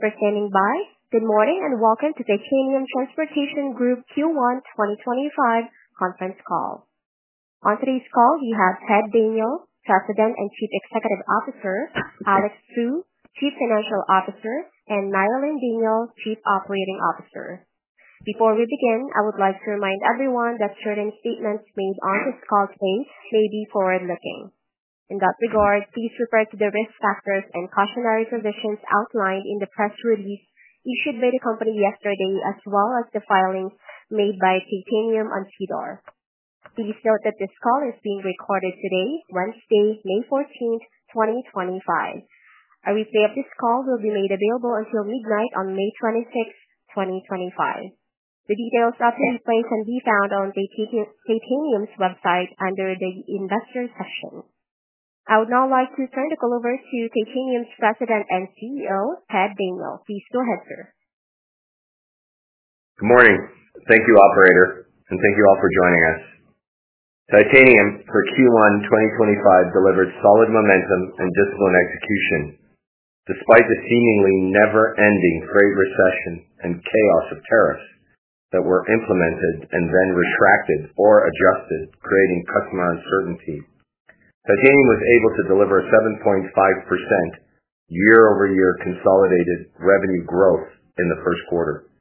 For standing by, good morning and welcome to Titanium Transportation Group Q1 2025 Conference Call. On today's call, we have Ted Daniel, President and Chief Executive Officer; Alex Fu, Chief Financial Officer; and Marilyn Daniel, Chief Operating Officer. Before we begin, I would like to remind everyone that certain statements made on this call today may be forward-looking. In that regard, please refer to the risk factors and cautionary provisions outlined in the press release issued by the company yesterday, as well as the filings made by Titanium on SEDAR. Please note that this call is being recorded today, Wednesday, May 14th, 2025. A replay of this call will be made available until midnight on May 26th, 2025. The details of the replay can be found on Titanium's website under the investor section. I would now like to turn the call over to Titanium's President and CEO, Ted Daniel. Please go ahead, sir. Good morning. Thank you, Operator, and thank you all for joining us. Titanium, for Q1 2025, delivered solid momentum and disciplined execution despite the seemingly never-ending freight recession and chaos of tariffs that were implemented and then retracted or adjusted, creating customer uncertainty. Titanium was able to deliver a 7.5% year-over-year consolidated revenue growth in the first quarter.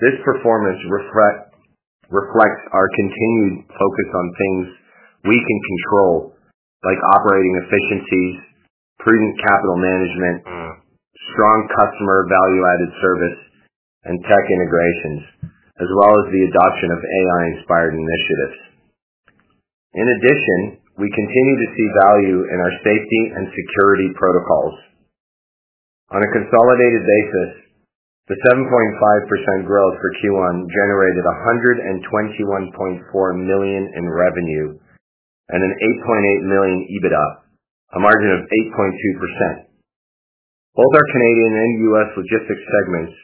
This performance reflects our continued focus on things we can control, like operating efficiencies, prudent capital management, strong customer value-added service, and tech integrations, as well as the adoption of AI-inspired initiatives. In addition, we continue to see value in our safety and security protocols. On a consolidated basis, the 7.5% growth for Q1 generated 121.4 million in revenue and a 8.8 million EBITDA, a margin of 8.2%. Both our Canadian and U.S. Logistics segments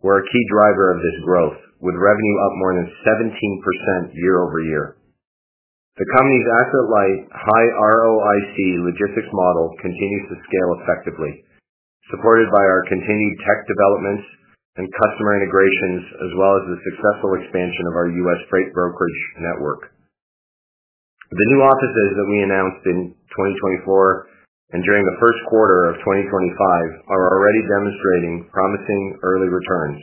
were a key driver of this growth, with revenue up more than 17% year-over-year. The company's asset-light, high ROIC logistics model continues to scale effectively, supported by our continued tech developments and customer integrations, as well as the successful expansion of our U.S. freight brokerage network. The new offices that we announced in 2024 and during the first quarter of 2025 are already demonstrating promising early returns,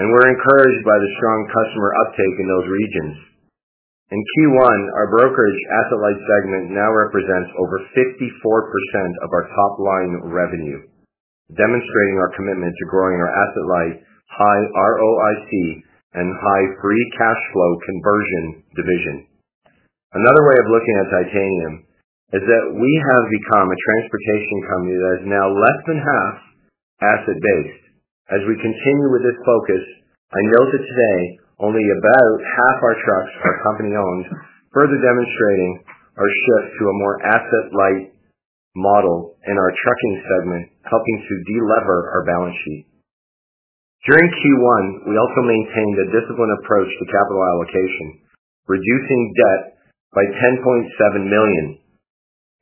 and we're encouraged by the strong customer uptake in those regions. In Q1, our brokerage asset-light segment now represents over 54% of our top-line revenue, demonstrating our commitment to growing our asset-light, high ROIC, and high free cash flow conversion division. Another way of looking at Titanium is that we have become a transportation company that is now less than half asset-based. As we continue with this focus, I know that today only about half our trucks are company-owned, further demonstrating our shift to a more asset-light model in our trucking segment, helping to delever our balance sheet. During Q1, we also maintained a disciplined approach to capital allocation, reducing debt by 10.7 million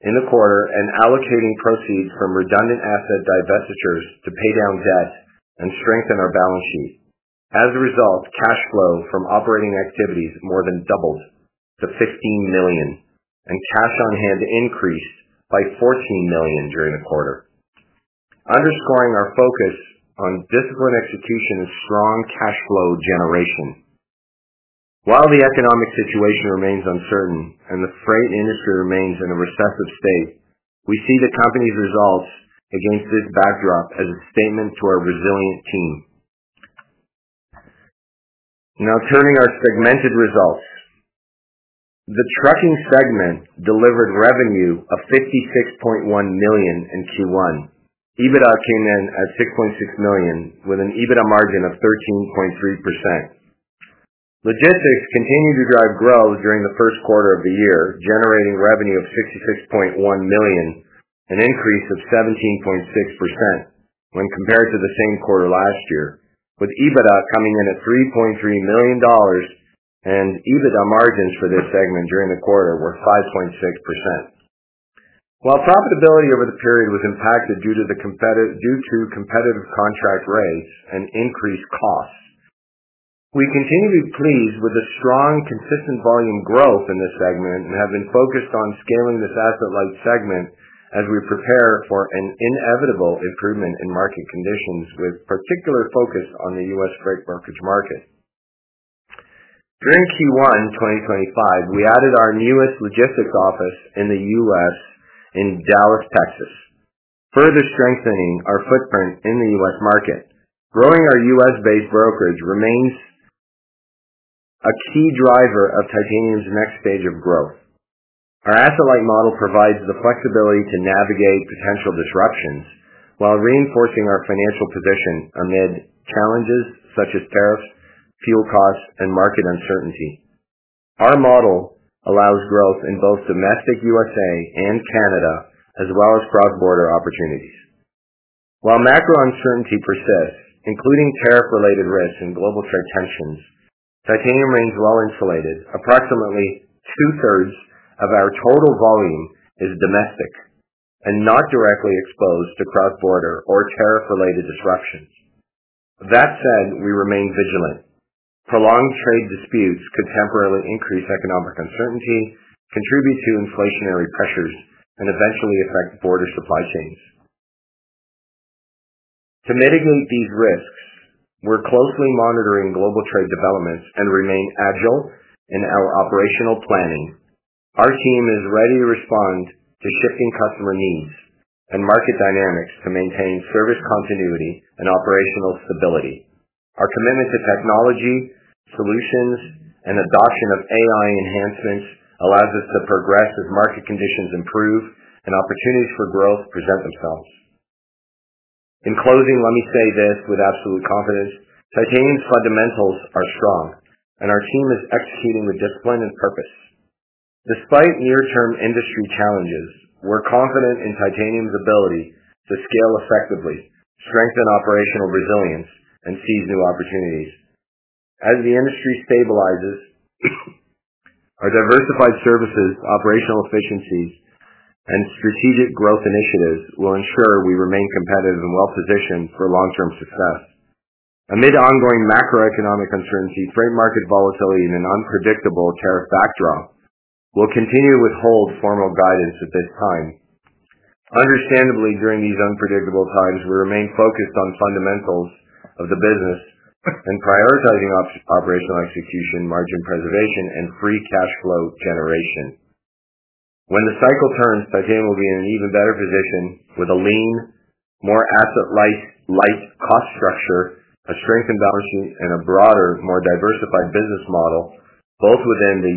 in the quarter and allocating proceeds from redundant asset divestitures to pay down debt and strengthen our balance sheet. As a result, cash flow from operating activities more than doubled to 15 million, and cash on hand increased by 14 million during the quarter, underscoring our focus on discipline execution and strong cash flow generation. While the economic situation remains uncertain and the freight industry remains in a recessive state, we see the company's results against this backdrop as a statement to our resilient team. Now, turning our segmented results, the Trucking segment delivered revenue of 56.1 million in Q1. EBITDA came in at 6.6 million, with an EBITDA margin of 13.3%. Logistics continued to drive growth during the first quarter of the year, generating revenue of 66.1 million and an increase of 17.6% when compared to the same quarter last year, with EBITDA coming in at 3.3 million dollars, and EBITDA margins for this segment during the quarter were 5.6%. While profitability over the period was impacted due to competitive contract rates and increased costs, we continue to be pleased with the strong, consistent volume growth in this segment and have been focused on scaling this asset-light segment as we prepare for an inevitable improvement in market conditions, with particular focus on the U.S. freight brokerage market. During Q1 2025, we added our newest logistics office in the U.S. in Dallas, Texas, further strengthening our footprint in the U.S. market. Growing our U.S.-based brokerage remains a key driver of Titanium's next stage of growth. Our asset-light model provides the flexibility to navigate potential disruptions while reinforcing our financial position amid challenges such as tariffs, fuel costs, and market uncertainty. Our model allows growth in both domestic U.S. and Canada, as well as cross-border opportunities. While macro uncertainty persists, including tariff-related risks and global trade tensions, Titanium remains well-insulated. Approximately two-thirds of our total volume is domestic and not directly exposed to cross-border or tariff-related disruptions. That said, we remain vigilant. Prolonged trade disputes could temporarily increase economic uncertainty, contribute to inflationary pressures, and eventually affect border supply chains. To mitigate these risks, we're closely monitoring global trade developments and remain agile in our operational planning. Our team is ready to respond to shifting customer needs and market dynamics to maintain service continuity and operational stability. Our commitment to technology, solutions, and adoption of AI enhancements allows us to progress as market conditions improve and opportunities for growth present themselves. In closing, let me say this with absolute confidence: Titanium's fundamentals are strong, and our team is executing with discipline and purpose. Despite near-term industry challenges, we're confident in Titanium's ability to scale effectively, strengthen operational resilience, and seize new opportunities. As the industry stabilizes, our diversified services, operational efficiencies, and strategic growth initiatives will ensure we remain competitive and well-positioned for long-term success. Amid ongoing macroeconomic uncertainty, freight market volatility and an unpredictable tariff backdrop will continue to withhold formal guidance at this time. Understandably, during these unpredictable times, we remain focused on fundamentals of the business and prioritizing operational execution, margin preservation, and free cash flow generation. When the cycle turns, Titanium will be in an even better position with a lean, more asset-light cost structure, a strengthened balance sheet, and a broader, more diversified business model, both within the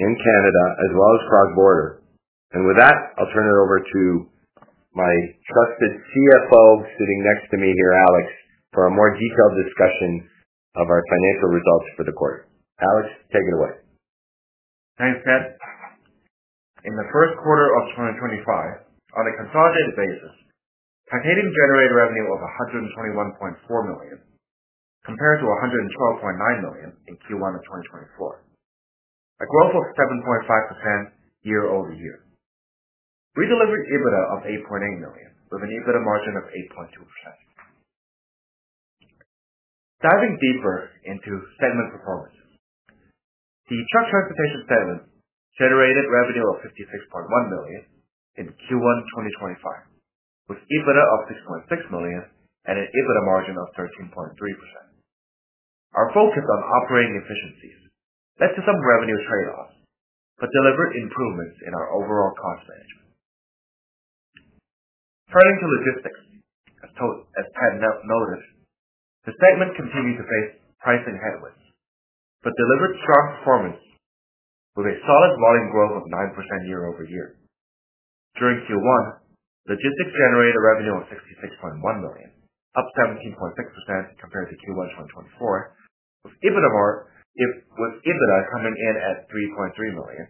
U.S. and Canada, as well as cross-border. With that, I'll turn it over to my trusted CFO sitting next to me here, Alex, for a more detailed discussion of our financial results for the quarter. Alex, take it away. Thanks, Ken. In the first quarter of 2025, on a consolidated basis, Titanium generated revenue of 121.4 million compared to 112.9 million in Q1 of 2024, a growth of 7.5% year-over-year. We delivered EBITDA of 8.8 million, with an EBITDA margin of 8.2%. Diving deeper into segment performances, the Truck Transportation segment generated revenue of 56.1 million in Q1 2025, with EBITDA of 6.6 million and an EBITDA margin of 13.3%. Our focus on operating efficiencies led to some revenue trade-offs but delivered improvements in our overall cost management. Turning to Logistics, as Ted noted, the segment continued to face pricing headwinds but delivered strong performance with a solid volume growth of 9% year-over-year. During Q1, logistics generated a revenue of CAD 66.1 million, up 17.6% compared to Q1 2024, with EBITDA coming in at 3.3 million,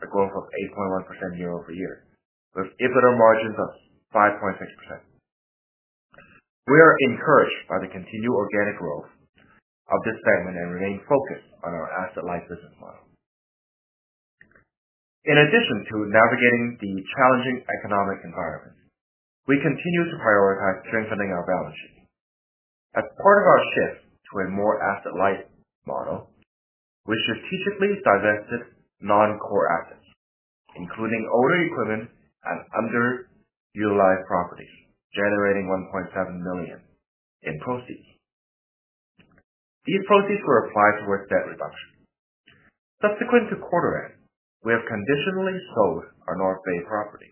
a growth of 8.1% year-over-year, with EBITDA margins of 5.6%. We are encouraged by the continued organic growth of this segment and remain focused on our asset-light business model. In addition to navigating the challenging economic environment, we continue to prioritize strengthening our balance sheet. As part of our shift to a more asset-light model, we strategically divested non-core assets, including older equipment and underutilized properties, generating 1.7 million in proceeds. These proceeds were applied towards debt reduction. Subsequent to quarter-end, we have conditionally sold our North Bay property,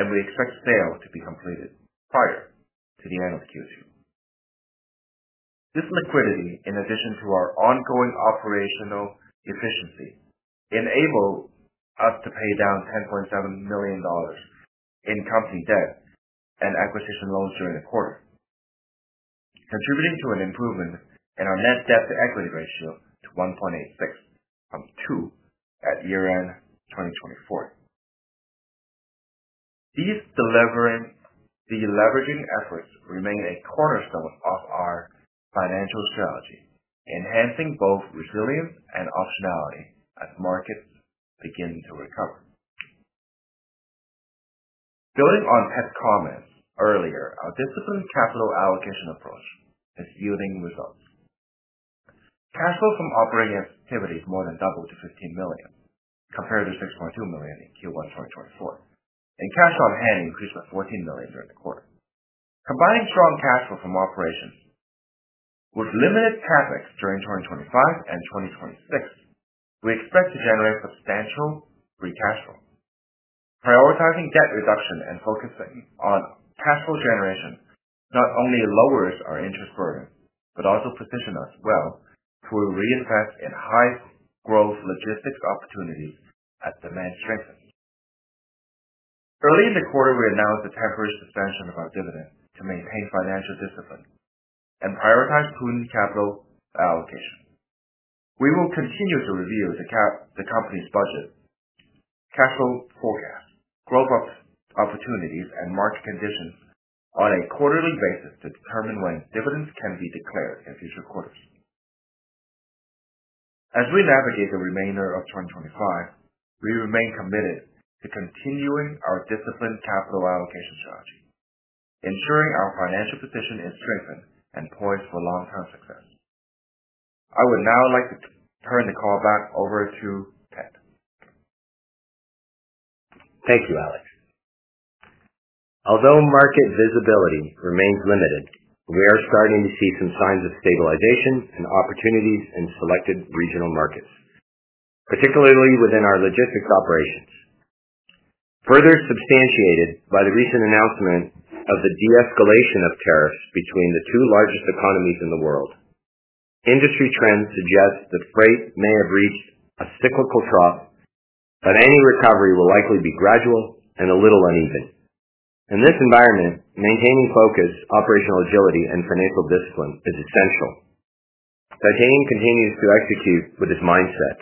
and we expect sale to be completed prior to the end of Q2. This liquidity, in addition to our ongoing operational efficiency, enabled us to pay down 10.7 million dollars in company debt and acquisition loans during the quarter, contributing to an improvement in our net debt-to-equity ratio to 1.86 from 2 at year-end 2024. These deleveraging efforts remain a cornerstone of our financial strategy, enhancing both resilience and optionality as markets begin to recover. Building on Ted's comments earlier, our disciplined capital allocation approach is yielding results. Cash flow from operating activities more than doubled to 15 million compared to 6.2 million in Q1 2024, and cash on hand increased by 14 million during the quarter. Combining strong cash flow from operations with limited CapEx during 2025 and 2026, we expect to generate substantial free cash flow. Prioritizing debt reduction and focusing on cash flow generation not only lowers our interest burden but also positions us well to reinvest in high-growth logistics opportunities as demand strengthens. Early in the quarter, we announced a temporary suspension of our dividend to maintain financial discipline and prioritize prudent capital allocation. We will continue to review the company's budget, cash flow forecast, growth opportunities, and market conditions on a quarterly basis to determine when dividends can be declared in future quarters. As we navigate the remainder of 2025, we remain committed to continuing our disciplined capital allocation strategy, ensuring our financial position is strengthened and poised for long-term success. I would now like to turn the call back over to Ted. Thank you, Alex. Although market visibility remains limited, we are starting to see some signs of stabilization and opportunities in selected regional markets, particularly within our logistics operations. Further substantiated by the recent announcement of the de-escalation of tariffs between the two largest economies in the world, industry trends suggest that freight may have reached a cyclical trough, but any recovery will likely be gradual and a little uneven. In this environment, maintaining focus, operational agility, and financial discipline is essential. Titanium continues to execute with this mindset.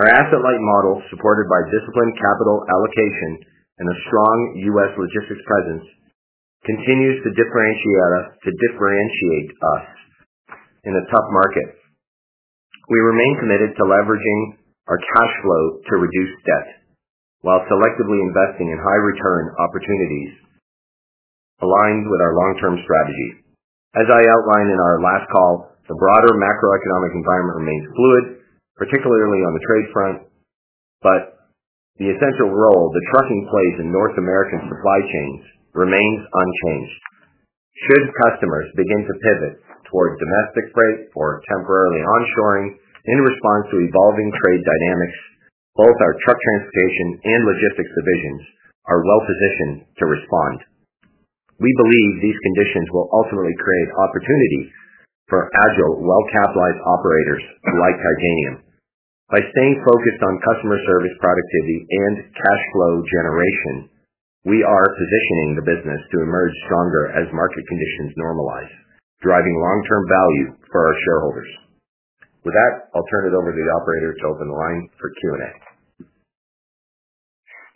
Our asset-light model, supported by disciplined capital allocation and a strong U.S. logistics presence, continues to differentiate us in a tough market. We remain committed to leveraging our cash flow to reduce debt while selectively investing in high-return opportunities aligned with our long-term strategy. As I outlined in our last call, the broader macroeconomic environment remains fluid, particularly on the trade front, but the essential role that trucking plays in North American supply chains remains unchanged. Should customers begin to pivot towards domestic freight or temporarily onshoring in response to evolving trade dynamics, both our Truck Transportation and Logistics divisions are well-positioned to respond. We believe these conditions will ultimately create opportunity for agile, well-capitalized operators like Titanium. By staying focused on customer service, productivity, and cash flow generation, we are positioning the business to emerge stronger as market conditions normalize, driving long-term value for our shareholders. With that, I'll turn it over to the operator to open the line for Q&A.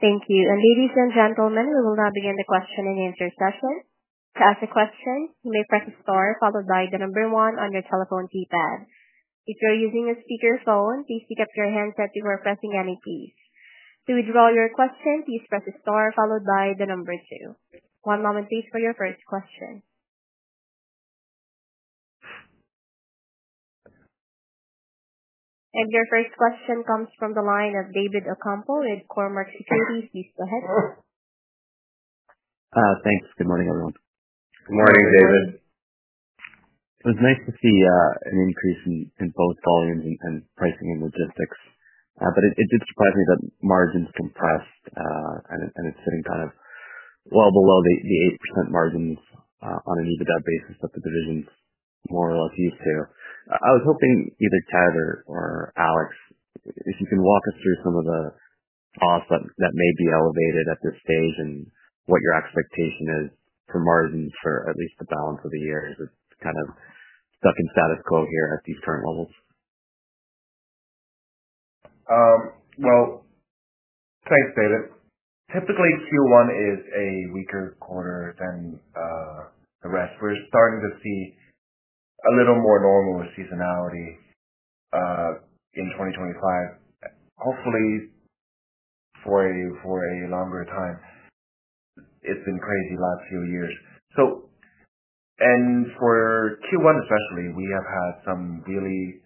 Thank you. Ladies and gentlemen, we will now begin the question-and-answer session. To ask a question, you may press the star followed by the number one on your telephone keypad. If you're using a speakerphone, please pick up your handset as you are pressing any keys. To withdraw your question, please press the star followed by the number two. One moment, please, for your first question. Your first question comes from the line of David Ocampo with Cormark Securities. Please go ahead. Thanks. Good morning, everyone. Good morning, David. It was nice to see an increase in both volumes and pricing in logistics, but it did surprise me that margins compressed and it's sitting kind of well below the 8% margins on an EBITDA basis that the division's more or less used to. I was hoping either Ted or Alex, if you can walk us through some of the costs that may be elevated at this stage and what your expectation is for margins for at least the balance of the year as it's kind of stuck in status quo here at these current levels. Thanks, David. Typically, Q1 is a weaker quarter than the rest. We're starting to see a little more normal seasonality in 2025, hopefully for a longer time. It's been crazy the last few years. For Q1 especially, we have had some really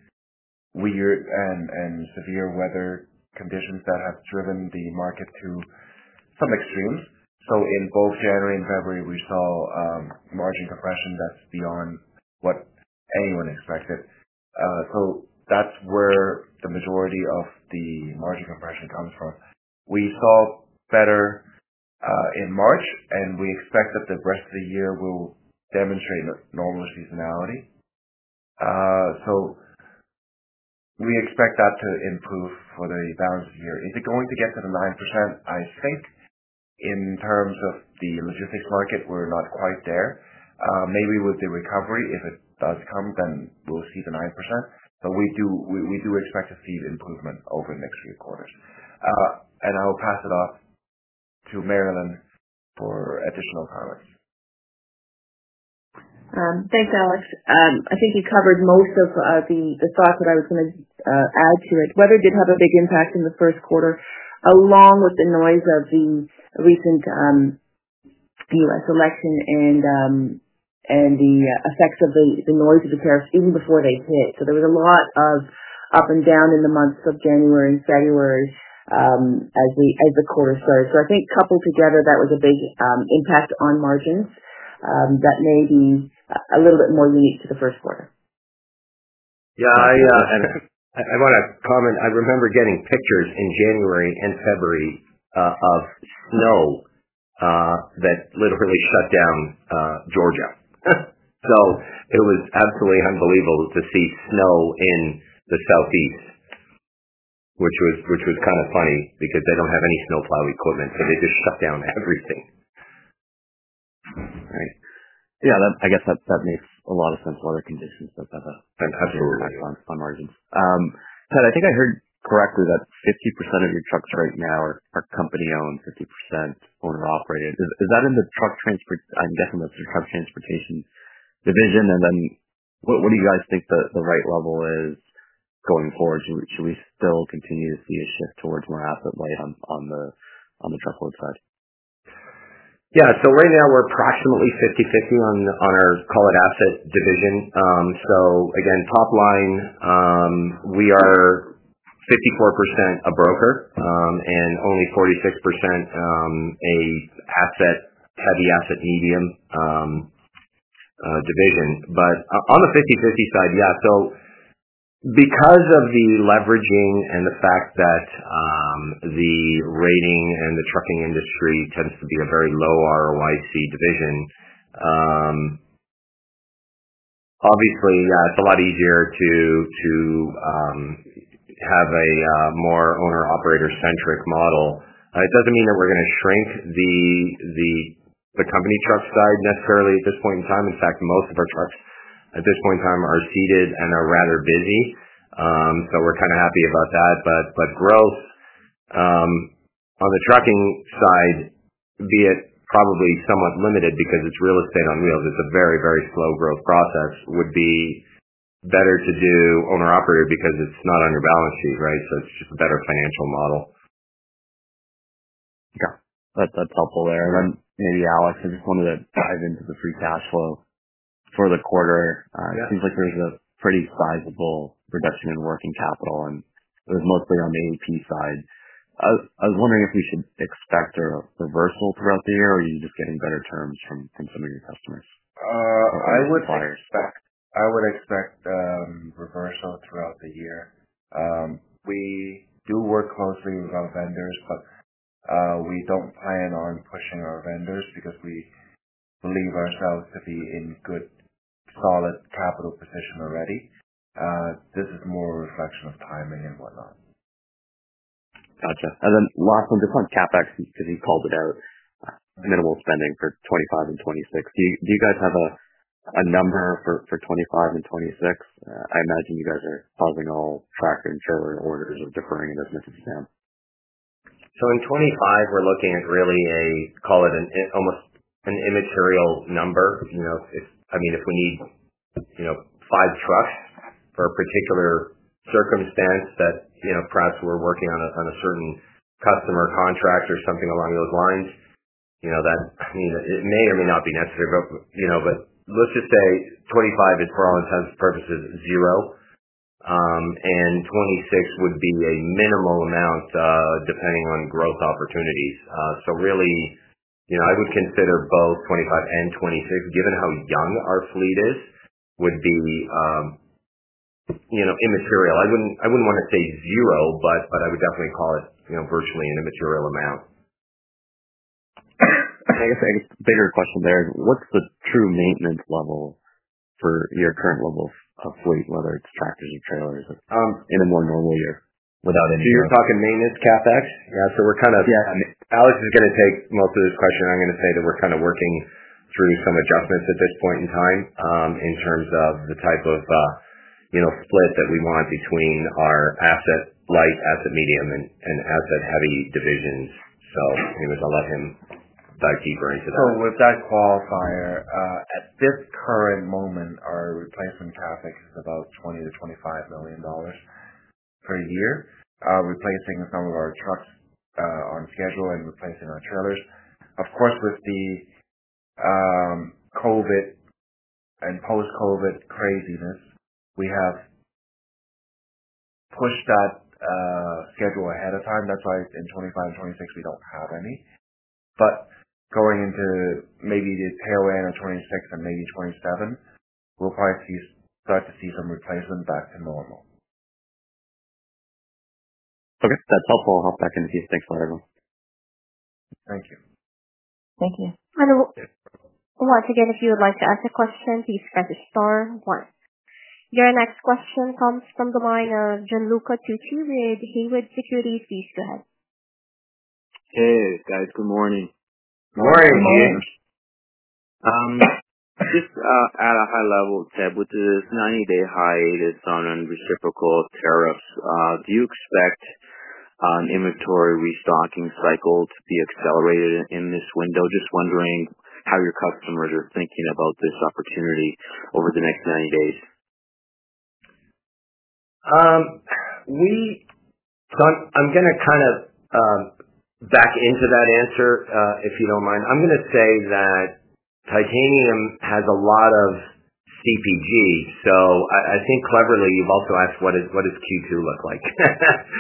weird and severe weather conditions that have driven the market to some extremes. In both January and February, we saw margin compression that's beyond what anyone expected. That's where the majority of the margin compression comes from. We saw better in March, and we expect that the rest of the year will demonstrate normal seasonality. We expect that to improve for the balance of the year. Is it going to get to the 9%? I think in terms of the logistics market, we're not quite there. Maybe with the recovery, if it does come, then we'll see the 9%. We do expect to see the improvement over the next few quarters. I'll pass it off to Marilyn for additional comments. Thanks, Alex. I think you covered most of the thoughts that I was going to add to it. Weather did have a big impact in the first quarter, along with the noise of the recent U.S. election and the effects of the noise of the tariffs even before they hit. There was a lot of up and down in the months of January and February as the quarter started. I think coupled together, that was a big impact on margins that may be a little bit more unique to the first quarter. Yeah, I want to comment. I remember getting pictures in January and February of snow that literally shut down Georgia. It was absolutely unbelievable to see snow in the southeast, which was kind of funny because they do not have any snowplow equipment, so they just shut down everything. Right. Yeah, I guess that makes a lot of sense for other conditions, but that's on margins. Ted, I think I heard correctly that 50% of your trucks right now are company-owned, 50% owner-operated. Is that in the truck transportation? I'm guessing that's the truck transportation division. What do you guys think the right level is going forward? Should we still continue to see a shift towards more asset-light on the truckload side? Yeah. Right now, we're approximately 50/50 on our, call it, asset division. Again, top line, we are 54% a broker and only 46% a heavy asset-medium division. On the 50/50 side, yeah. Because of the leveraging and the fact that the rating and the trucking industry tends to be a very low ROIC division, obviously, yeah, it's a lot easier to have a more owner-operator-centric model. It doesn't mean that we're going to shrink the company truck side necessarily at this point in time. In fact, most of our trucks at this point in time are seated and are rather busy. We're kind of happy about that. Growth on the trucking side, be it probably somewhat limited because it's real estate on wheels, it's a very, very slow growth process, would be better to do owner-operator because it's not on your balance sheet, right? So it's just a better financial model. Okay. That's helpful there. Maybe, Alex, I just wanted to dive into the free cash flow for the quarter. It seems like there's a pretty sizable reduction in working capital, and it was mostly on the AP side. I was wondering if we should expect a reversal throughout the year, or are you just getting better terms from some of your customers? I would expect reversal throughout the year. We do work closely with our vendors, but we do not plan on pushing our vendors because we believe ourselves to be in good solid capital position already. This is more a reflection of timing and whatnot. Gotcha. And then last one, just on CapEx because you called it out, minimal spending for 2025 and 2026. Do you guys have a number for 2025 and 2026? I imagine you guys are causing all tractor and trailer orders are deferring in as much as you can. In 2025, we're looking at really a, call it an almost an immaterial number. I mean, if we need five trucks for a particular circumstance that perhaps we're working on a certain customer contract or something along those lines, I mean, it may or may not be necessary. I mean, let's just say 2025 is, for all intents and purposes, zero, and 2026 would be a minimal amount depending on growth opportunities. I would consider both 2025 and 2026, given how young our fleet is, would be immaterial. I would not want to say zero, but I would definitely call it virtually an immaterial amount. I guess I have a bigger question there. What's the true maintenance level for your current level of fleet, whether it's tractors or trailers, in a more normal year without any? You're talking maintenance CapEx? Yeah. We're kind of—yeah. Alex is going to take most of this question. I'm going to say that we're kind of working through some adjustments at this point in time in terms of the type of split that we want between our asset-light, asset-medium, and asset-heavy divisions. Anyways, I'll let him dive deeper into that. With that qualifier, at this current moment, our replacement CapEx is about 20 million-25 million dollars per year, replacing some of our trucks on schedule and replacing our trailers. Of course, with the COVID and post-COVID craziness, we have pushed that schedule ahead of time. That's why in 2025 and 2026, we do not have any. Going into maybe the tail end of 2026 and maybe 2027, we'll probably start to see some replacement back to normal. Okay. That's helpful. I'll hop back in to see if things flatten then. Thank you. Thank you. Once again, if you would like to ask a question, please press the star. Your next question comes from the line of Gianluca Tucci with Haywood Securities. Please go ahead. Hey, guys. Good morning. Morning. Morning. Just at a high level, Ted, with this 90-day high, it is on reciprocal tariffs. Do you expect an inventory restocking cycle to be accelerated in this window? Just wondering how your customers are thinking about this opportunity over the next 90 days. I'm going to kind of back into that answer, if you don't mind. I'm going to say that Titanium has a lot of CPG. I think cleverly, you've also asked, what does Q2 look like? I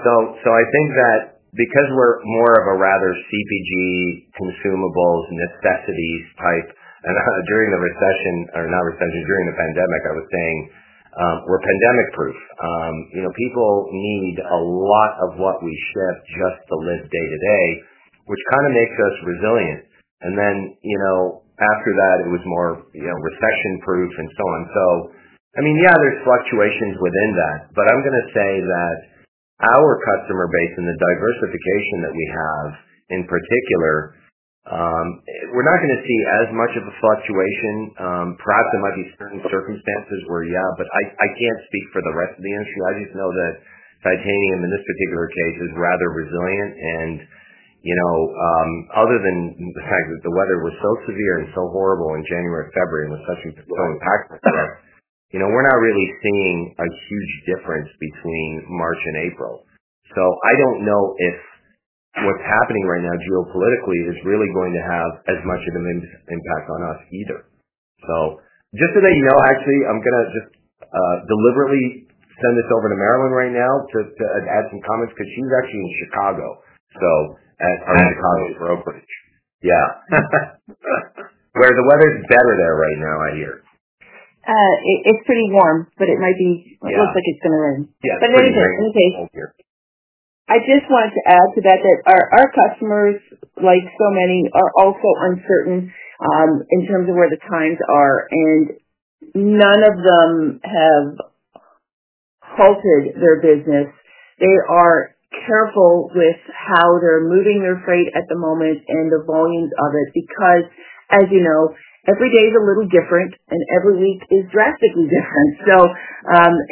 think that because we're more of a rather CPG consumables necessities type, and during the recession or not recession, during the pandemic, I was saying we're pandemic-proof. People need a lot of what we ship just to live day-to-day, which kind of makes us resilient. After that, it was more recession-proof and so on. I mean, yeah, there's fluctuations within that. I'm going to say that our customer base and the diversification that we have in particular, we're not going to see as much of a fluctuation. Perhaps there might be certain circumstances where, yeah, but I can't speak for the rest of the industry. I just know that Titanium, in this particular case, is rather resilient. Other than the fact that the weather was so severe and so horrible in January and February and was such a throwing pack for us, we're not really seeing a huge difference between March and April. I don't know if what's happening right now geopolitically is really going to have as much of an impact on us either. Just so that you know, actually, I'm going to just deliberately send this over to Marilyn right now to add some comments because she's actually in Chicago, at our Chicago brokerage. Oh, okay. Yeah. Where the weather's better there right now, I hear. It's pretty warm, but it might be it looks like it's going to rain. Yeah. It's okay. In any case, I just wanted to add to that that our customers, like so many, are also uncertain in terms of where the times are. None of them have halted their business. They are careful with how they're moving their freight at the moment and the volumes of it because, as you know, every day is a little different, and every week is drastically different.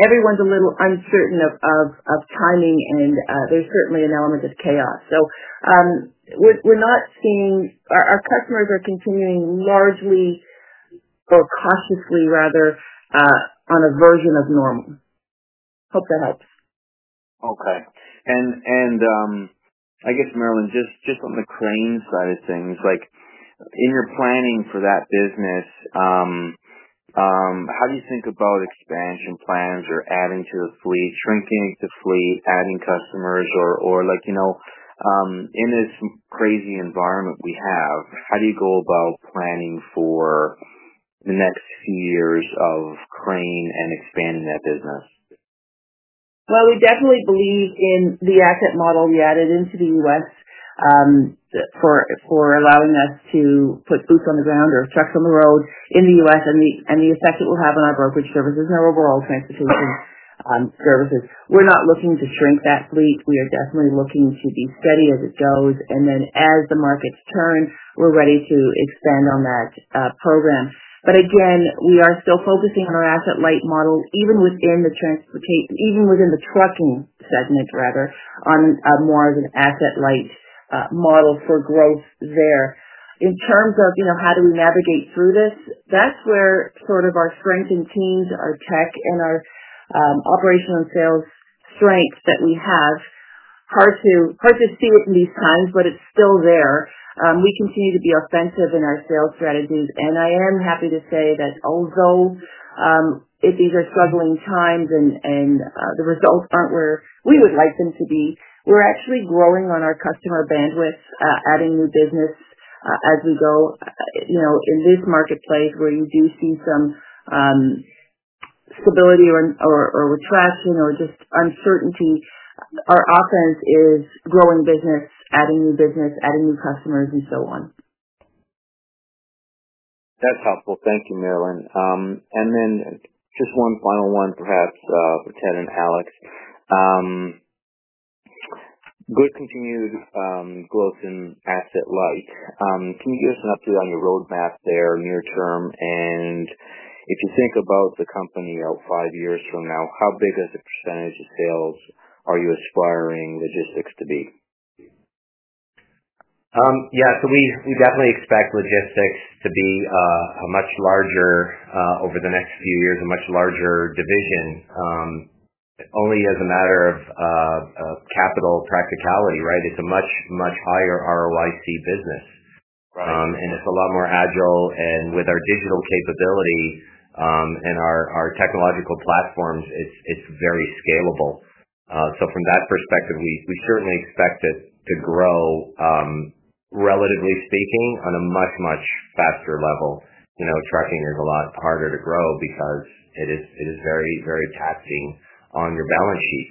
Everyone's a little uncertain of timing, and there's certainly an element of chaos. We're not seeing our customers are continuing largely, or cautiously rather, on a version of normal. Hope that helps. Okay. I guess, Marilyn, just on the Crane side of things, in your planning for that business, how do you think about expansion plans or adding to the fleet, shrinking the fleet, adding customers? In this crazy environment we have, how do you go about planning for the next few years of Crane and expanding that business? We definitely believe in the asset model we added into the U.S. for allowing us to put boots on the ground or trucks on the road in the U.S. and the effect it will have on our brokerage services and our overall transportation services. We're not looking to shrink that fleet. We are definitely looking to be steady as it goes. As the markets turn, we're ready to expand on that program. Again, we are still focusing on our asset-light model, even within the transportation, even within the trucking segment, rather, on more of an asset-light model for growth there. In terms of how do we navigate through this, that's where sort of our strength in teams, our tech, and our operational and sales strength that we have. Hard to see it in these times, but it's still there. We continue to be offensive in our sales strategies. I am happy to say that although these are struggling times and the results are not where we would like them to be, we are actually growing on our customer bandwidth, adding new business as we go. In this marketplace where you do see some stability or retraction or just uncertainty, our offense is growing business, adding new business, adding new customers, and so on. That's helpful. Thank you, Marilyn. Just one final one, perhaps, for Ted and Alex. Good continued growth in asset-light. Can you give us an update on your roadmap there near term? If you think about the company out five years from now, how big is the percentage of sales are you aspiring logistics to be? Yeah. We definitely expect logistics to be a much larger, over the next few years, a much larger division, only as a matter of capital practicality, right? It is a much, much higher ROIC business. It is a lot more agile. With our digital capability and our technological platforms, it is very scalable. From that perspective, we certainly expect it to grow, relatively speaking, on a much, much faster level. Trucking is a lot harder to grow because it is very, very taxing on your balance sheet.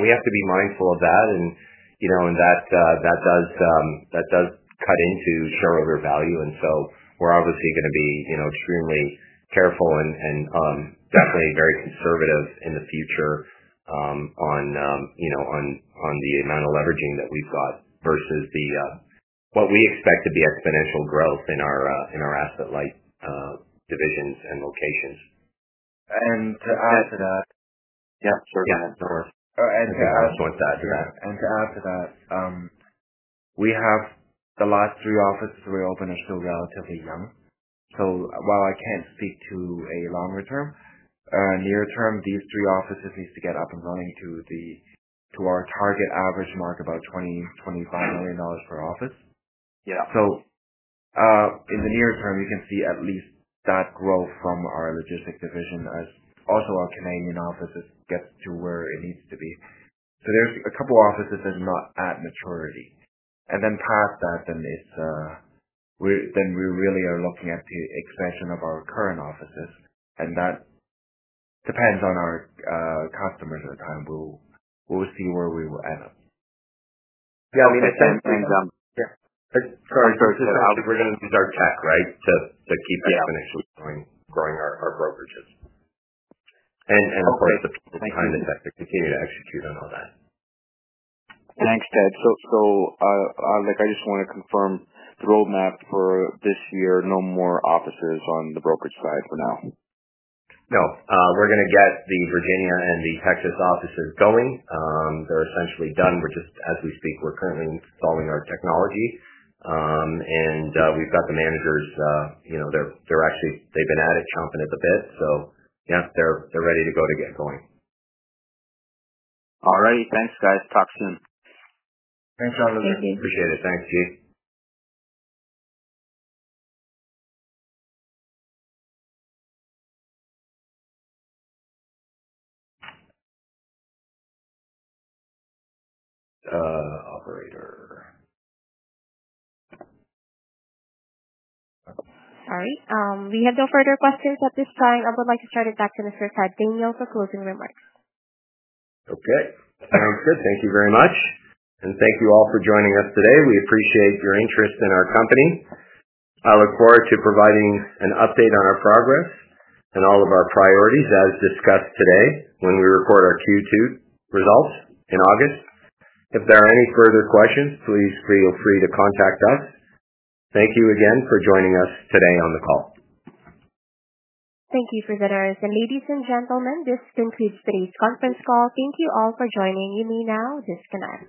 We have to be mindful of that. That does cut into shareholder value. We are obviously going to be extremely careful and definitely very conservative in the future on the amount of leveraging that we have got versus what we expect to be exponential growth in our asset-light divisions and locations. To add to that. Yep. Certainly, that's ours. To add to that. To add to that. To add to that, we have the last three offices we opened are still relatively young. While I can't speak to a longer term, near term, these three offices need to get up and running to our target average mark of about 20 million-25 million dollars per office. In the near term, you can see at least that growth from our logistics division as also our Canadian office gets to where it needs to be. There are a couple of offices that are not at maturity. Past that, we really are looking at the expansion of our current offices. That depends on our customers at the time. We'll see where we will end up. Yeah. I mean, at the same time. Yeah. Sorry. Sorry. Just Alex, we're going to use our tech, right, to keep exponentially growing our brokerages. Of course, the people behind the tech to continue to execute on all that. Thanks, Ted. I just want to confirm the roadmap for this year, no more offices on the brokerage side for now. No. We're going to get the Virginia and the Texas offices going. They're essentially done. As we speak, we're currently installing our technology. And we've got the managers. They've been at it chomping at the bit. Yeah, they're ready to go to get going. Alright. Thanks, guys. Talk soon. Thanks, guys. Thank you. Appreciate it. Thanks, G. Operator. All right. We have no further questions at this time. I would like to turn it back to Mr. Ted Daniel for closing remarks. Okay. Sounds good. Thank you very much. Thank you all for joining us today. We appreciate your interest in our company. I look forward to providing an update on our progress and all of our priorities as discussed today when we record our Q2 results in August. If there are any further questions, please feel free to contact us. Thank you again for joining us today on the call. Thank you, presenters. Ladies and gentlemen, this concludes today's conference call. Thank you all for joining. You may now disconnect.